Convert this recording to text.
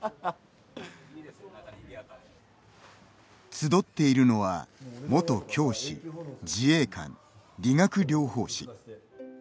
集っているのは元教師、自衛官、理学療法士。